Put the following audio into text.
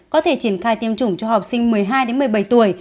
có thể triển khai tiêm chủng cho học sinh một mươi hai một mươi bảy tuổi